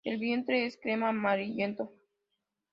El vientre es crema amarillento.